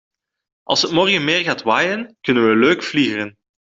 Als het morgen meer gaat waaien kunnen we leuk vliegeren.